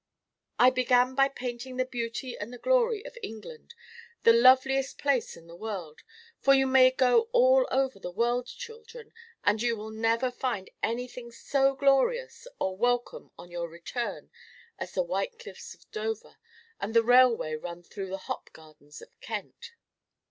I began by painting the beauty and the glory of England, the loveliest place in the world, for you may go all over the world, children, and you will never find anything so glorious or welcome on your return as the white cliffs of Dover, and the railway run through the hop gardens of Kent.